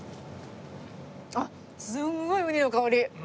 あっすごい雲丹の香り。